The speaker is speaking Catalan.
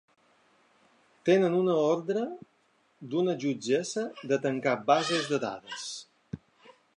Tenen una ordre d’una jutgessa de tancar bases de dades.